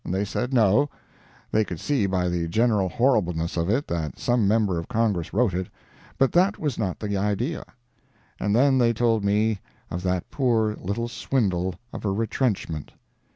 They said no; they could see by the general horribleness of it that some member of Congress wrote it, but that was not the idea—and then they told me of that poor little swindle of a "retrenchment."